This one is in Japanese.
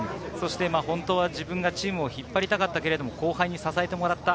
本当は自分がチームを引っ張りたかったけれど、後輩に支えてもらった。